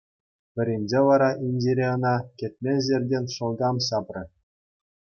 Пӗринче вара Индире ӑна кӗтмен ҫӗртен шалкӑм ҫапрӗ.